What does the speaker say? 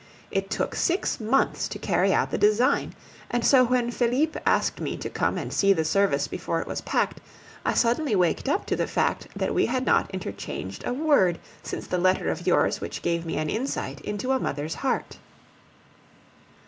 It took six months to carry out the design. And so when Felipe asked me to come and see the service before it was packed, I suddenly waked up to the fact that we had not interchanged a word since the letter of yours which gave me an insight into a mother's heart.